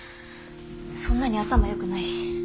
そんなに頭よくないし。